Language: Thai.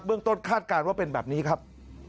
เรื่องต้นคาดการณ์ว่าเป็นแบบนี้ครับ